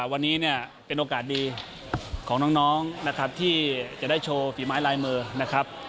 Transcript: วันนี้เนี่ยเป็นโอกาสดีของน้องนะครับที่จะได้โชว์ฝีไม้ลายมือนะครับ